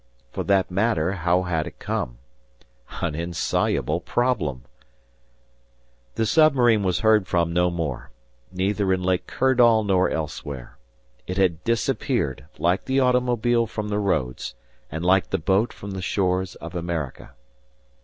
For that matter, how had it come? An insoluble problem! The submarine was heard from no more, neither in Lake Kirdall nor elsewhere. It had disappeared like the automobile from the roads, and like the boat from the shores of America.